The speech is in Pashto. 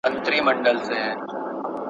قوم ته یې